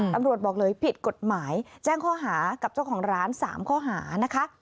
ตำรวจบอกเลยผิดกฎหมายแจ้งข้อหากับเจ้าของร้าน๓ข้อหานะคะ